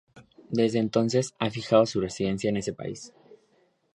Desde entonces ha fijado su residencia en ese país.